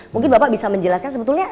mungkin bapak bisa menjelaskan sebetulnya